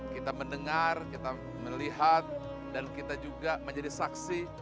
kita mendengar kita melihat dan kita juga menjadi saksi